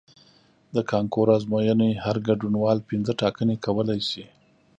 د کانکور ازموینې هر ګډونوال پنځه ټاکنې کولی شي.